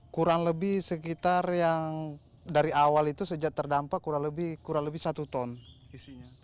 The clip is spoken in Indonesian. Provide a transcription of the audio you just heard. kurang lebih sekitar yang dari awal itu sejak terdampak kurang lebih satu ton isinya